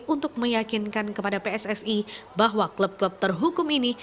untuk meyakinkan kepada pssi bahwa klub klub terhukum ini